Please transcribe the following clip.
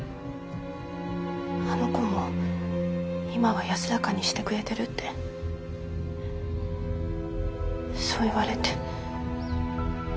あの子も今は安らかにしてくれてるってそう言われて。